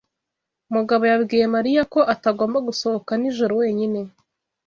Mugabo yabwiye Mariya ko atagomba gusohoka nijoro wenyine.